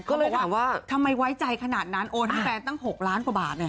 ก็เลยถามว่าทำไมไว้ใจขนาดนั้นโอนให้แฟนตั้ง๖ล้านกว่าบาท